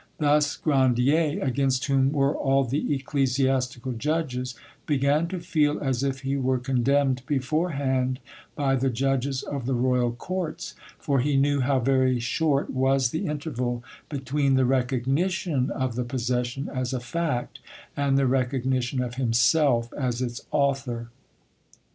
Thus Grandier, against whom were all the ecclesiastical judges, began to feel as if he were condemned beforehand by the judges of the royal courts, for he knew how very short was the interval between the recognition of the possession as a fact and the recognition of himself as its author.